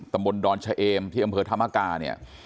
ตำบลดอนชะเอมที่อำเภอธรรมกาเนี่ย